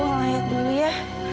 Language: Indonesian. aku ngelayat dulu ya